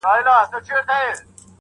• شرنګېدلي د سِتار خوږې نغمې سه,